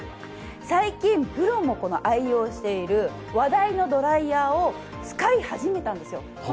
最近プロも愛用している話題のドライヤーを使い始めたんですよ。